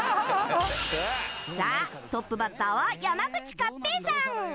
さあトップバッターは山口勝平さん